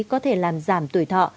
có thể làm giảm tuổi thọ